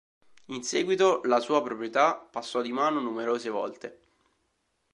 In seguito, la sua proprietà passò di mano numerose volte.